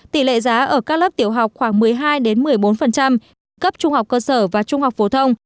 tỷ lệ giá ở các lớp tiểu học khoảng một mươi hai một mươi bốn cấp trung học cơ sở và trung học phổ thông